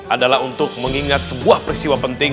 adalah untuk mengingat sebuah peristiwa penting